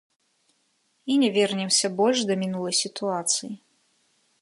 І не вернемся больш да мінулай сітуацыі.